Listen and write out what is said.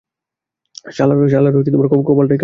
শালার কপালটাই খারাপ।